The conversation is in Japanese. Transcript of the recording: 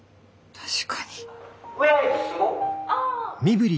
確かに。